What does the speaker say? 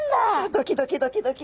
ドキドキドキドキ。